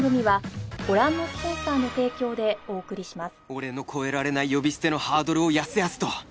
俺の越えられない呼び捨てのハードルをやすやすと！